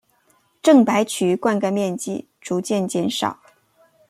郑白渠灌溉面积逐渐减少。